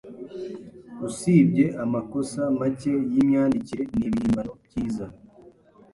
Usibye amakosa make yimyandikire, nibihimbano byiza.